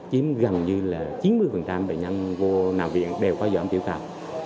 chiếm gần như là chín mươi bệnh nhân vô nào viện đều có dõm tiểu cào